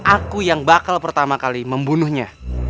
aku yang bakal pertama kali membunuhnya